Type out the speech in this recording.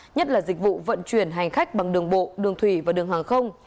nhất là dịch vụ vận chuyển hành khách bằng đường bộ đường thủy và đường hàng không